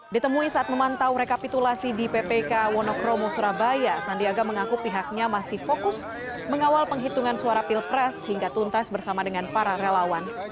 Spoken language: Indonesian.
ditemui saat memantau rekapitulasi di ppk wonokromo surabaya sandiaga mengaku pihaknya masih fokus mengawal penghitungan suara pilpres hingga tuntas bersama dengan para relawan